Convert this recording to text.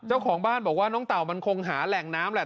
เจ้าของบ้านบอกว่าน้องเต่ามันคงหาแหล่งน้ำแหละ